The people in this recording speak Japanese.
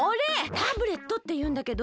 タブレットっていうんだけど。